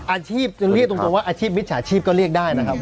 อาชีพจะเรียกตรงว่าอาชีพมิจฉาชีพก็เรียกได้นะครับ